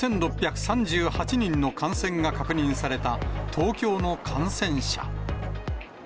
８６３８人の感染が確認された東京の感染者。